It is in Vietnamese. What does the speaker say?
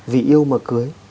vì yêu mà cưới